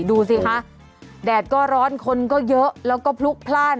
ดูสิคะแดดก็ร้อนคนก็เยอะแล้วก็พลุกพลาด